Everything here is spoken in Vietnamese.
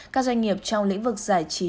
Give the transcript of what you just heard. các doanh nghiệp trong lĩnh vực giải trí